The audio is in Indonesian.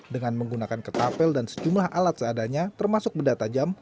dengan menggunakan ketapel dan sejumlah alat seadanya termasuk benda tajam